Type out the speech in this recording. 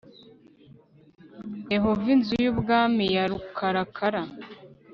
yehova inzu y ubwami ya rukarakara